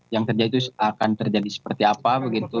yang terjadi itu akan terjadi seperti apa begitu